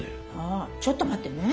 ああちょっと待ってね。